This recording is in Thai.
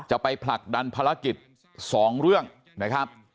ไปผลักดันภารกิจ๒เรื่องนะครับ